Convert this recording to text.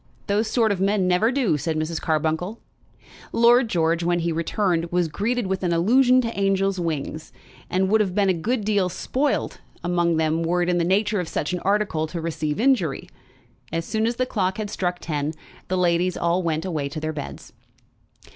"Those sort of men never do," said Mrs. Carbuncle. Lord George, when he returned, was greeted with an allusion to angels' wings, and would have been a good deal spoilt among them were it in the nature of such an article to receive injury. As soon as the clock had struck ten the ladies all went away to their beds.